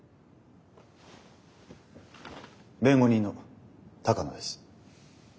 弁護人の鷹野です。